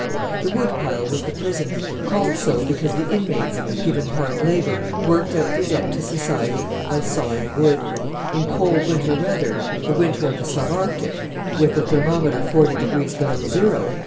The Wood pile was the prison, called so because the inmates, given hard labour, worked out their debt to society by sawing wood. In cold winter weather the winter of the sub Arctic, with the thermometer forty degrees below zero!